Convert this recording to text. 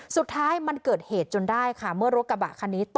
สุดท้ายมันเกิดเหตุจนได้ค่ะเมื่อรถกระบะคันนี้